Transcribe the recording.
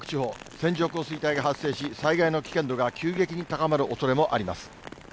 線状降水帯が発生し、災害の危険度が急激に高まるおそれもあります。